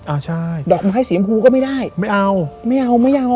อ่าใช่ดอกไม้สีชมพูก็ไม่ได้ไม่เอาไม่เอาไม่เอา